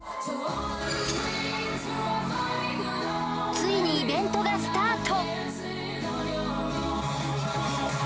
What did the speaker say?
ついにイベントがスタート